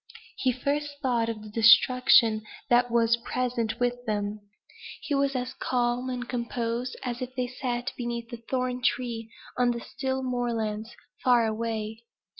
He first thought of the destruction that was present with them. He was as calm and composed as if they sat beneath the thorn tree on the still moorlands, far away.